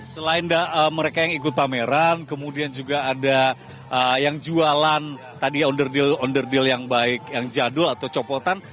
selain mereka yang ikut pameran kemudian juga ada yang jualan tadi ya under deal yang baik yang jadul atau copotan